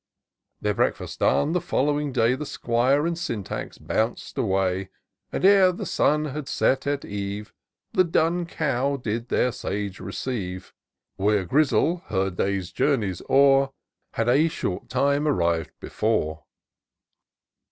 Their breakfast done, the following day, The 'Squire and Syntax bounc'd away ; And, ere the sun had set at eve, Tlie Dun Cow did the sage receive ; Where Grizzle, — her day's journey o'er, Had a short time arriv'd before.